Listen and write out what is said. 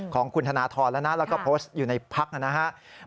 ของคุณธนทรแล้วนะแล้วก็โพสต์อยู่ในพักนะครับ